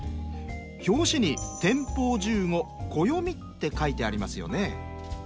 表紙に「天保十五暦」って書いてありますよね。